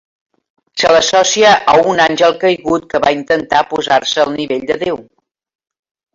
Se l'associa a un àngel caigut que va intentar posar-se al nivell de Déu.